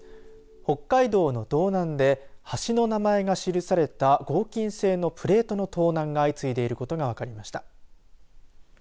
北海道の道南で橋の名前が記された合金製のプレートの盗難が相次いでいることが分かりました。